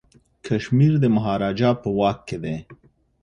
کشمیر د مهاراجا په واک کي دی.